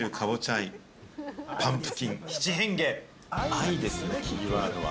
愛です、キーワードは。